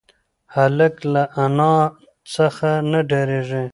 هلک له انا څخه نه ډارېږي.